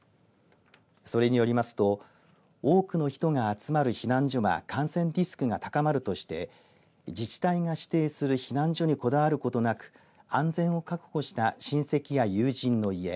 それによりますと多くの人が集まる避難所は感染リスクが高まるとして自治体が指定する避難所にこだわることなく安全を確保した親戚や友人の家